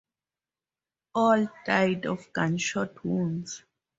All died of gunshot wounds.